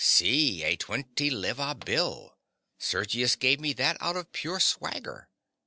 _) See, a twenty leva bill! Sergius gave me that out of pure swagger.